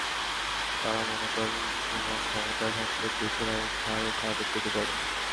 তাঁরা মনে করেন, জুমা ক্ষমতায় থাকলে দেশের অবস্থা আরও খারাপের দিকে যাবে।